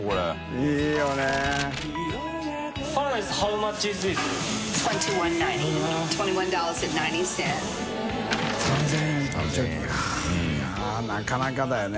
い筺なかなかだよね。